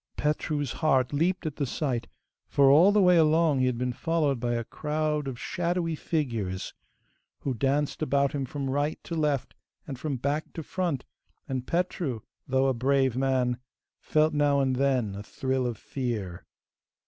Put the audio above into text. Petru's heart leaped at the sight, for all the way along he had been followed by a crowd of shadowy figures who danced about him from right to left, and from back to front, and Petru, though a brave man, felt now and then a thrill of fear.